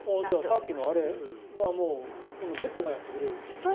じゃあ、さっきのあれベッドがやってくれるってことだ。